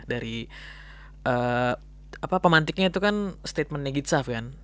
dari pemantiknya itu kan statementnya gitsoft kan